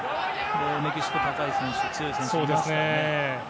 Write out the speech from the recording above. メキシコ、高い選手強い選手がいますからね。